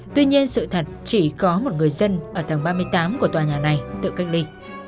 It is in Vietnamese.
tuy nhiên sự thật chỉ có một người dân ở tầng ba mươi tám của tòa nhà này tự cách ly